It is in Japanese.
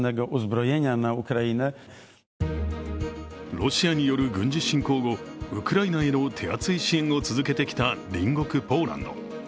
ロシアによる軍事侵攻後ウクライナへの手厚い支援を続けてきた隣国ポーランド。